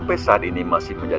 pemen produksi rumah